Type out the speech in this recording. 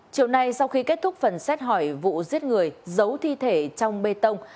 chiều nay sau khi kết thúc phần xét hỏi vụ giết người giấu thi thể trong bê tông